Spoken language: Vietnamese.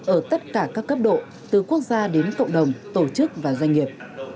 ở tất cả các cấp độ từ quốc gia đến cộng đồng tổ chức và doanh nghiệp